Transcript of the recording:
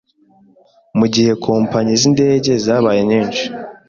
Mu gihe kompanyi z'indege zabaye nyinshi